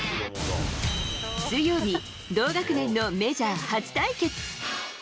水曜日、同学年のメジャー初対決。